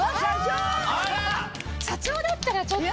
社長だったらちょっと。